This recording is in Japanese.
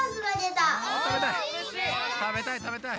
たべたいたべたい！